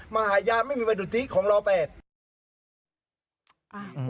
มหาญาณไม่มีบัตรทุทธิของเรา๘